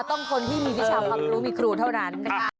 ต้องคนที่มีวิชาความรู้มีครูเท่านั้นนะคะ